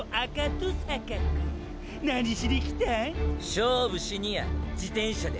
勝負しにや自転車で。